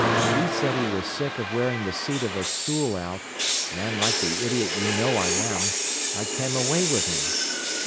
He said he was sick of wearing the seat of a stool out, and, like the idiot you know I am, I came away with him.